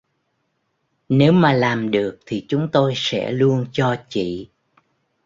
Nếu mà làm được thì chúng tôi sẽ luôn cho chị